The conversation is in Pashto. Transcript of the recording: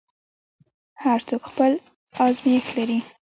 هر څوک خپل ازمېښت لري.